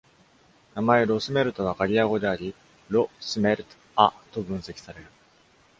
名前「Rosmerta」はガリア語であり、「ro-smert-a」と分析される。